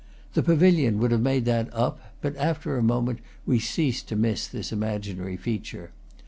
The pavilion would have made that up; but after a moment we ceased to miss this imaginary feature.